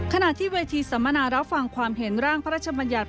ขณะที่วัยทีสมนารับฟังความเห็นร่างพระชมญาติ